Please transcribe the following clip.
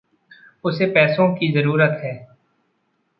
उसे पैसों की ज़रूरत है।